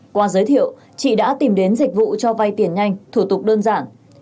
qua giới thiệu chị đã tìm đến dịch vụ cho vay tiền nhanh thủ tục đơn giản